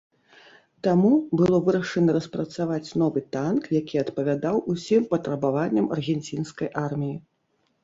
Таму было вырашана распрацаваць новы танк, які адпавядаў усім патрабаванням аргенцінскай арміі.